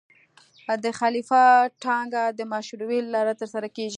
د خلیفه ټاکنه د مشورې له لارې ترسره کېږي.